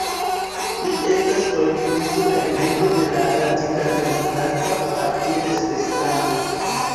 Li estas politikisto kaj membro de la Radikal-demokrata partio de Svislando.